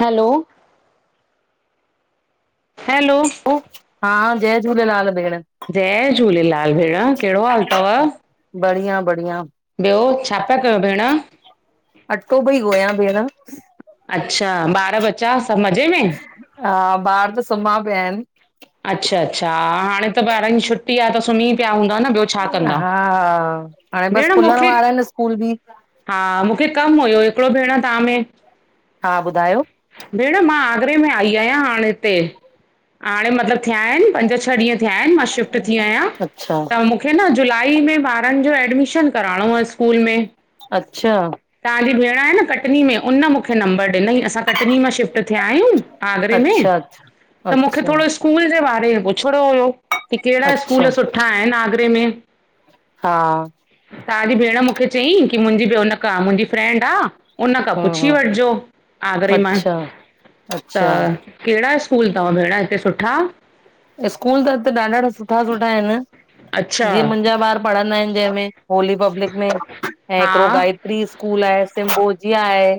Hello, hello हा, जय झूलेलाल भेण जय झूलेलाल भेण कहिड़ो हालु थव? बढिया -बढिया। ॿियो छा पिया कयो भेण? अटो पई गोयां भेण अच्छा, ॿार बच्चा सभु मज़े में? हा, ॿार त सुम्हां पिया आहिनि। अच्छा, अच्छा हाणे त ॿारिनि जी छुट्टी आहे, त सुम्ही पिया हूंदा न ॿियो छा कंदा? हा, हाणे बसि भेण खुलण मूंखे वारा आहिनि स्कूल बि। हा, मूंखे कमु हुयो हिकिड़ो भेण तव्हां में हा, ॿुधायो। भेण मां आगरे में आई आहियां हाणे हिते हाणे मतिलबु थिया आहिनि।, पंज छह ॾींहं थिया आहिनि मां शिफ्ट थी आहियां। अच्छा त मूंखे न जुलाई में ॿारनि जो एडमिशन कराइणो आहे स्कूल में। अच्छा। तव्हांजी भेण आहे न कटनी में। कटनी में हुन मूंखे नंबर ॾिनाई। असां कटनी मां शिफ्ट थिया आहियूं आगरे में अच्छा अच्छा त मूंखे अच्छा। थोरो स्कूल जे बारे में पुछिणो हुयो की कहिड़ा स्कूल अच्छा सुठा आहिनि आगरे में? हा तव्हांजी भेण मूंखे चईं की मुंहिंजी भी उनखां, मुंहिंजी फ्रेंंड आ उन खां हूं पुछी हूं वठॼो आगरे मां अच्छा त। अच्छा कैड़ा स्कूल तव भेणा हिते सुठा? स्कूल त हिते ॾाढा सुठा-सुठा आयन अच्छा जीअं मुंॼा ॿार पढ़ंदा आयन ॼेमें होली पब्लिक में ऐं हा हिकिड़ो गाइड प्री स्कूल आये सिम्बोजीया आये।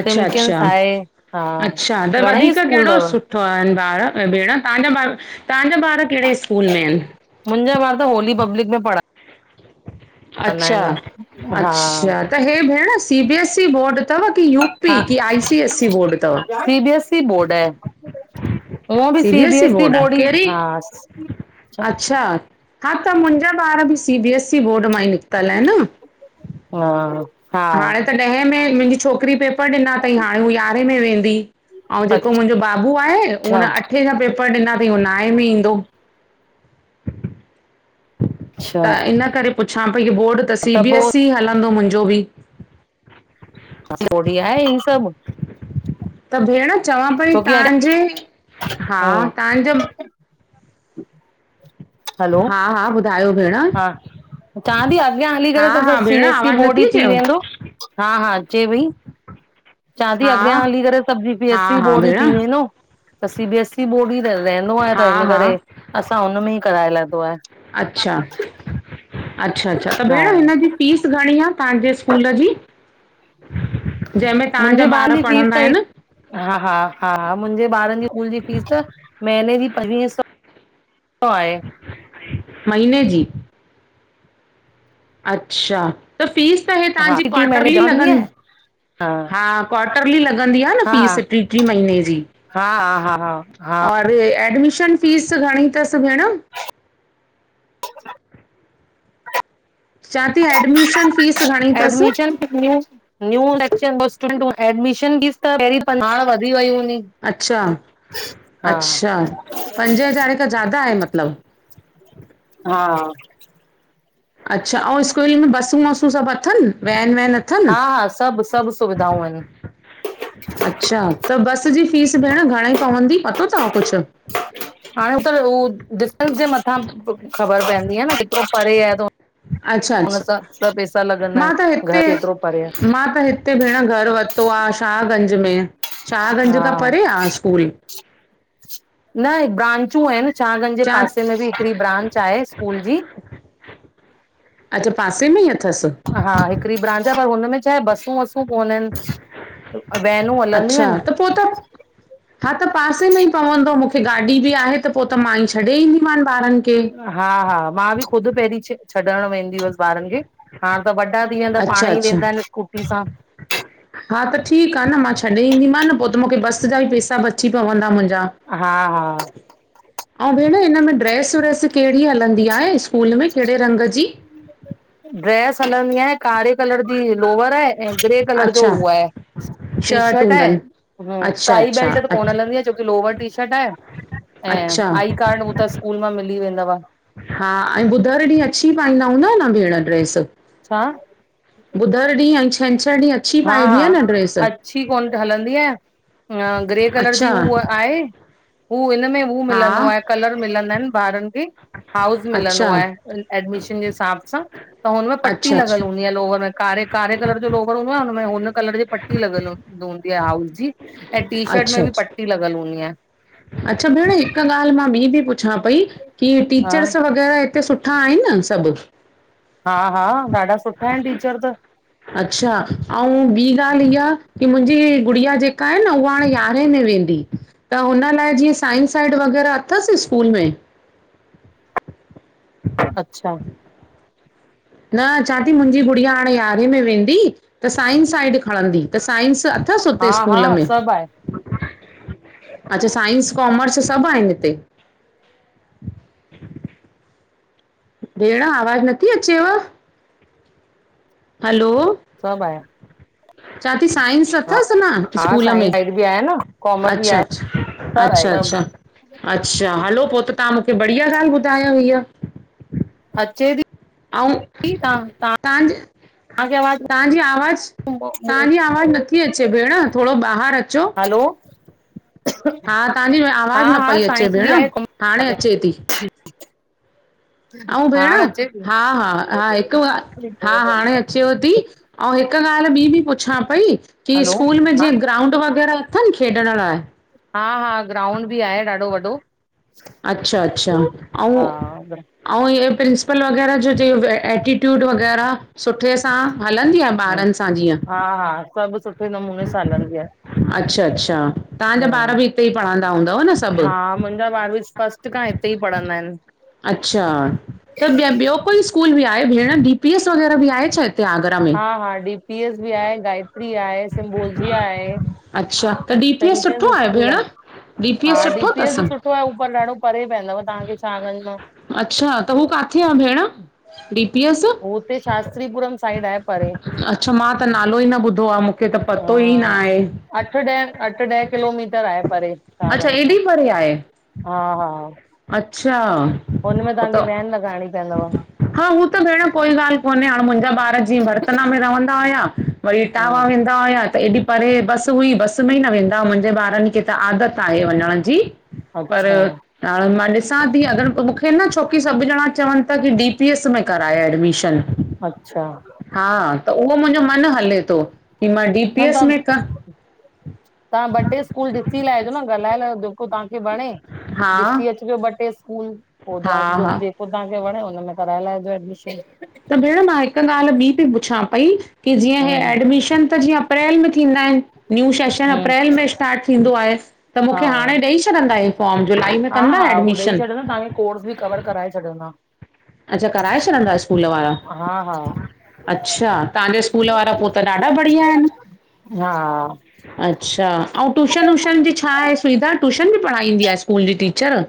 अच्छा सिमकिंस अच्छा आये, हा, अच्छा त घणई वधीक स्कूल कहिड़ो तव। सुठो आयन ॿार भेण, तांजा ॿार, तांजा ॿार कैड़े स्कूल में आयन? मुंजा ॿार त होली पब्लिक में पढ़ा। हा अच्छा-अच्छा त हे भेण C B S E board. तव की यू हा पी की आईसीएससी बोर्ड तव? C B S E board आहे C B S E board आ? कैॾी? अच्छा। हा त मुंजा ॿार बि C B S E board मां ई निकतल आ न, हा हा हाणे त त ॾहें में मुंजी छोकिरी पेपर ॾिना तई हाणे हू यारें में वेंदी। ऐं जेको मुंजो बाबू आये अच्छा हुन अठे ॼा पेपर ॾिना तई उ नाए में ईंदो। त अच्छा हिन करे पुछां पई की बोर्ड त सी बी एस ई हलंदो मुंजो ॿि। [unintelligible] हि सॿ। त भेण चवां पई छोकी अॻ तांॼे, हा तांजो। हलो हा-हा ॿुधायो भेण। हा चांती अॻयां हली हा करे त सॿ हा सी भेण बी एस ई आवाज़ बोर्ड नथी ई थी अचेव वेंदो। हा-हा अचे पई। चांती, हा अॻयां हली करे सॿ सी बी हा एस ई हा बोर्ड ई भेण थी वेंदो। त C B S E board ई रहंदो आये त हा हिन हा करे असां हुन में ई कराए लाथो आए। अच्छ-अच्छा, अच्छा त हा भेण हिनॼी फीस घणी आ तांजे स्कूल जी? जेंमें तांजा ॿार पढ़ंदा आयन? हा-हा, हा मुंजे ॿारन ॼी स्कूल ॼी फीस महीने ॼी पंजवीई सौ ओ आये। महिने जी? अच्छा, त फीस त हे हा तांॼी टी महीने क्वाटरली जमा थींदी लॻंद आहे हा, क्वाटरली लॻंदी आ न फीस टीं-टीं महीने ॼी। हा-हा और एडमिशन फीस घणी तस भेण? चांती एडमिशन फीस घणी तस? एडमिशन न्यू [unintelligible] एडमिशन फीस त पैंरीं हा वधी वई हूंदी। [unintelligible] हा अच्छा-अच्छा पंजे हज़ार खां ज्यादा आये मतलब? हा अच्छा, ऐं स्कूल में बसूं, वसूं सॿ अथन वैन, वैन? अथनि? हा-हा सॿ सॿ सुविधाऊं आयन। अच्छा, त बस ॼी फीस भेण घणे पवंदी, पतो तव कुछ? हाणे, त उ डिस्टेंस ॼे मथां ख़बर पइदी आ न कितरो परे आये। अच्छा-अच्छा लॻंदा मां त आहिनि घर हिते, केतिरो परे आहे मां त हिते हिते, भेण घर वरतो आ। शाहगंज में, शाहगंज हा खां परे आ स्कूल? न, ब्रांचू आयन शाहगंज ॼे जा पासे में ॿि हिकिड़ी ब्रांच आ स्कूल ॼी। अच्छा, पासे में ई अथस? हां, हिकड़ी ब्रांच आहे। पर हुनमें छा आह, बसूं-वसु कुक कोन, वेनूं हलंदियूं आहिन। पोइ त। हां, त पासे में ई पवंदो, मूंखे गाॾी बि आहे, त पोइ त मां ई छॾे ईंदीमनि ॿारनि खे। हां, हां। मां बि ख़ुदि पहिरीं छ छॾणु वेंदी हुयअसि ॿारनि खे। हाणे, त वॾा थी वेंदा, पाण अच्छा ई वेंदा आहिन, स्कूटी सां। हां, त ठीकु आहे न, मां त छॾे ईंदीम न पोइ त, मूंखे बस जा बि पैसा बची पवंदा मुंहिंजा। हां, हां। ऐं, भेण हिनमें ड्रेस-व्रेस कहिड़ी हलंदी आहे? स्कूल में कहिड़े रंग जी? ड्रेस हलंदी आहे। कारे कलर जी लोवर आहे, ऐं ग्रे कलर जो अच्छा उहा आहे। शर्ट टीशर्ट आहे। हूंदनि अच्छा टाई अच्छा बैल्ट त अच कोन हलंदी आहे, छोकी लोवर टीशर्ट आहे। ऐं अच्छा आई कार्ड हू त स्कूल मां मिली वेंदव। हां, ऐं ॿुधरु ॾींहुं अची पाईंदा हूंदा न भेण ड्रेस? छाा? ॿुधरु ॾींहुं, ऐं छंछरु ॾींहुं, अछी हा पाइबी हा आहे न ड्रेस? अच्छी, कोन हलंदी आहे। ग्रे कलर जी अच्छा हू आहे। हू हिनम गुरू हा मिलंदो, कलर मिलदो आहे, बारनि खे हास मिलंदो अच्छा आहे। एडमिशन जे हिसाब सां त, हुनमें पटी अच्छा लॻल अच्छा हूंदी आहे लोवर में। कारे, कारे कलर जो लोवर हुँदो, आ उनो हुन में हुनन कलर जे पटी लॻल ह हूंदी आहे हाउल जी। ऐं, टी शर्ट अच्छा में बि अच्छा पटी लॻल हूंदी आहे। अच्छा, भेण, हिकु ॻाल्हि मां ॿीं बि पुछां पई की हा टीचर्स वग़ैरह हिते सुठ हां, आह न सभु? हां, हां। ॾाढा सुठा आहिन टीचर त। अच्छा, ऐं, ॿी ॻाल्हि इहा की मुंहिंजी गुड़िया जेका आहे न, उहा हाणे य यरा मां वेंदी त हुन लाइ जीअं, साइन साइड वग़ैरह अथसि स्कूल में? उं [inaudible] अच्छा, न, चवां थी मुंहिंजी गुड़िया हाणे यारहें में वेंदी। त साइंस साइड खणंदी। त साइंस अथसि हा हुते स्कूल हा में? सभु आहे अच्छा, साइंस-कॉमर्स सभ आहिन हिते। भेण, आवाज नथी अचेव? हलो सभ आया। चवां थी साइंस अथसि न हा स्कूल में? साइंस साइड बि आहे न कॉमर्स बि अच्छा, आहे अच्छा। सभु आहे अच्छा, सभु अच्छा। अच्छा, हलो पोइ त, तव्हां मूंखे बढ़िया ॻाल्हि ॿुधायव हीअ। अचे थी आऊं तव्हां तव्हांखे तव्हांजे? आवाज तव्हांजी आवाज़? तव्हांजी आवाज़ नथी अचे भेण, थोरो ॿाहिरि अचो हलो, हा तव्हांजी [unintelligible] आवाज़ न हां, हां पई अचे साइंस भेण बि आहे। कम [inaudible] हाणे अचे थी ठीक [inaudible] ऐं भेण? हां, हां, हां हिकु वा, हां, हाणे अचेव थी? ऐं हिक ॻाल्हि ॿी बि पुछां पई? की हलो स्कूल में हा जीअं ग्राउंड वग़ैरह अथनि खेॾण लाइ? हां, हां, ग्राउंड बि आहे ॾाढो वॾो। अच्छा, अच्छा। ऐं हा ऐं इहे प्रिंसिपल वग़ैरह जो जीअं एटीट्यूड वग़ैरह सुठे सां? हलंदी आ ॿारनि सां जीअं? हा-हा। सभु सुठे नमूने सां हलंदी आ। अच्छा-अच्छा। तांजा ॿारि बि हिते ई पढ़ंदा हूंदव न सभु? हा मुंहिंजा ॿारि बि फर्स्ट खां हिते ई पढ़ंदा आहिनि। अच्छा, त ॿि ॿियो कोई स्कूल बि आहे भेण, डी पी एस वग़ैरह बि आहे छा हिते आगरा में? हा हा, डी पी एस बि आहे, गायत्री आहे, सिम्बोजिया आहे। अच्छा, त डी पी एस सुठो चैंपियंस आहे स्कूल भेण? डी पी एस हा सुठो डीपीएस अथसि? बि सुठो आहे पर ॾाढो परे पवंदव तव्हांखे शाहगंज मां। अच्छा, त हू काथे आ भेण? D P S? हुते शास्त्रीपुरम साइड आहे परे। अच्छा, मां त नालो ई न ॿुधो आ मूंखे त हा पतो ई न आहे। अठ ॾह, अठ ॾह किलोमीटर आहे परे, अच्छा शाहगंज सां। एॾी परे आहे हा-हा। अच्छा, त वैन लॻाइणी पवंदव हा, हू त भेण कोई ॻाल्हि कोन्हे, हाणे मुंहिंजा ॿारि जीअं बर्थना में रहवंदा हुया। वरी इटावा हम्म वेंदा वेंदा हुया त एॾी परे बसि हुई, बसि में ई न वेंदा, मुंहिंजे ॿारनि खे त आदत आहे वञण जी। पर अच्छा हाणे मां ॾिसां थी, अॻरि मूंखे न छोकी सभु ॼणा चवनि था की डी पी एस में कराए एडमिशन। अच्छा। हा, त उहो मुंहिंजो मन हले थो की मां डी न पी एस तव्हां में क तव्हां ॿ टे स्कूल ॾिसी लाहिजो न, ॻाल्हाए लाएजो, जेको तव्हांखे वणे हा ॾिसी अचजो ॿ टे स्कूल, पोइ तव्हां हा [inaudible] हा पोइ तव्हांखे वणे हुन में कराए लाहेजो एडमिशन। त भेण मां हिकु ॻाल्हि ॿि बि पुछां पई की जीअं हे हम्म एडमिशन त जीअं अप्रैल में थींदा आहिनि। न्यू सेशन हम्म अप्रैल में स्टार्ट थींदो आहे, त मूंखे हा हाणे ॾेई छॾंदा हे फॉर्म, जुलाई में कंदा एडमिशन? तांजो कोर्स बि कवर कराए छॾींदा। अच्छा, कराए छॾींदा स्कूल वारा? हा हा अच्छा, तव्हांजे स्कूल वारा पोइ त ॾाढा ॿढ़िया आहिनि। हा। अच्छा, अऊं टूशन वूशन जी छा आहे? सुविधा टूशन बि पढ़ाईंदी आहे स्कूल जी टीचर?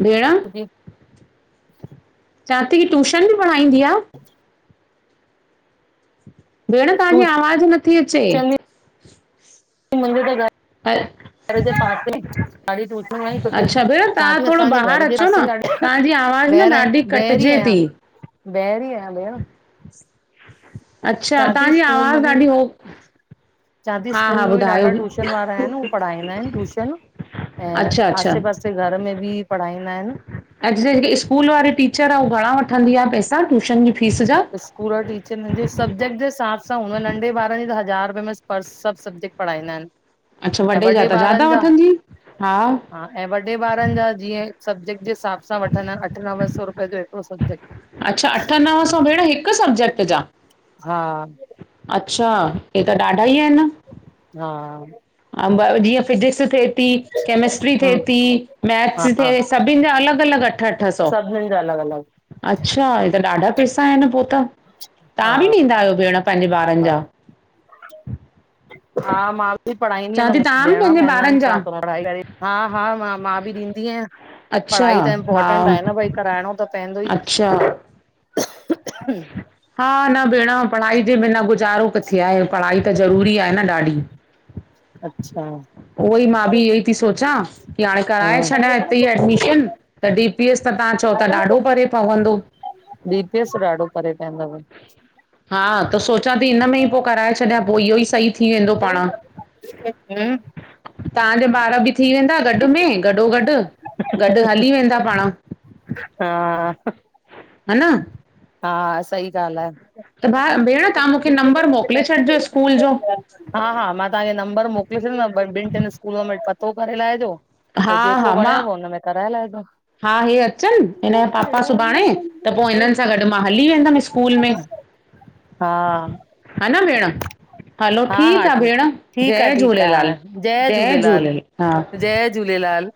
भेण, चां थी की टूशन बि पढ़ाईंदी आहे? ह भेण, तव्हांजी आवाज नथी अचे। मुंहिंजो त घरु [unintelligible] घरु जे पासे में ॾाढी टूशनूं आ सुठी। अच्छा भेण चवां तव्हां थी थोरो असांजे ॿाहिरि घरु जे अचो पासे न में ॾाढी तव्हांजी आवाज़ न ॾाढी कटिजे थी। ॿाहिरि ई आया भेण। अच्छा चवां थी तव्हांजी स्कूल में आवाज़ बि ॾाढी हो चवां थी हा स्कूल हा में बि ॾाढा ॿुधायो ट्यूशन वारा आहिनि उहे पढ़ाईंदा आहिनि ट्यूशन अच्छा- अच्छा कई घर में बि पढ़ाईंदा आहिनि। एग्जैक्ट स्कूल वारी टीचर आ उहा घणा वठंदी आ पैसा ट्यूशन जी फीस जा? स्कूल टीचरिन जे सब्जेक्ट जे हिसाब सां हूंदो नंढे ॿार जी त हज़ार रुपये में पर सभु सब्जेक्ट पढ़ाईंदा आहिनि। अच्छा ऐं वॾे जा त ज्यादा ॿारनि जा वठंदी, हा ऐं वॾे ॿारनि जा जीअं सब्जेक्ट जे हिसाब सां वठंदा आहिनि अठ नवे सौ रुपए जो हिकिड़ो सब्जेक्ट अच्छा अठ, नव सौ भेण हिकु सब्जेक्ट जा हा अच्छा हे त ॾाढा ई आहिनि न हा अ जीअं फिजिक्स थिए ई केमिस्ट्री हम थेती, मैथ्स हा थे सबिनिन जा अलग-अलग अठ सौ सभिनि जा अलॻि -अलॻि अच्छा हे त ॾाढा पैसा आहिनि पोइ त, हा तव्हां बि ॾींदा आहियो भेण पंहिंजे ॿारनि जा हा मां बि पढ़ाईंदी आहियां चवां त थी मूंखे तव्हां बि ॾियणा पंहिंजे पवंदा आहिनि ॿारनि जा छा करा? पढ़ाई हा -हा मां, मां बि ॾींदी आहियां अच्छा पढ़ाई त हा इम्पोर्टेंट आ न भई कराइणो त पवंदो ई। अच्छा अह -अह [unintelligible] हा न भेण पढ़ाई जे बिना गुज़ारो किथे आ? पढ़ाई त ज़रूरी आहे न ॾाढी। अच्छा उएई, मां हा बि इहो थी सोचां की हाणे कराए छॾियां हिते ई एडमिशन! त डी पी एस त तव्हां चओ त ॾाढो परे पवंदो डी पी एस ॾाढो परे पवंदव। हा त सोचां थी हिन में ई पोइ कराए छॾियां पोइ इहो ई सही थी वेंदो पाण तव्हांजा ॿार बि थी वेंदा गॾु में गॾो गॾु- गॾु हली वेंदा पाण हा ह न हा सही ॻाल्हि आ त भाउ भेण तव्हां मूंखे नंबर मोकिले छॾिजो स्कूल जो हा- हा मां तव्हांखे नंबर मोकिले छॾींदमि ॿिनि टिनि स्कूलनि में पतो करे लाहिजो पोइ हा हा जेको मां वणेव हुनम में कराए लाहिजो। हा हे अचनि हिनजा पापा सुभाणे त पो हिनन सां गॾु मां हली वेंदमि स्कूल में। हा ह ना भेण हलो हा हा ठीकु आ भेण, ठीकु आहे जय ठीकु आहे झूलेलाल हाणे जय झूलेलाल। हा जय झूलेलाल